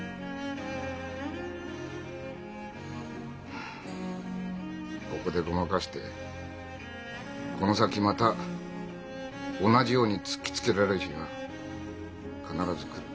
はあここでごまかしてこの先また同じように突きつけられる日が必ず来る。